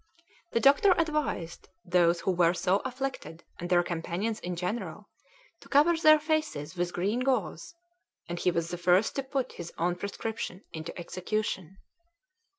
The doctor advised those who were so afflicted and their companions in general to cover their faces with green gauze, and he was the first to put his own prescription into execution.